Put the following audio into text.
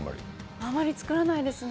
あまり作らないですね。